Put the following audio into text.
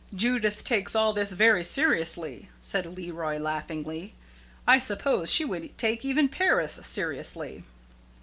"Judith takes all this very seriously," said Leroy, laughingly. "I suppose she would take even Paris seriously."